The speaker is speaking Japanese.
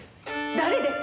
誰です！